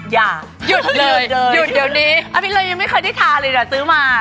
ยา่หยุดเดี๋ยวนี้ไม่เคยได้ทาเลยเหรอซื้อมา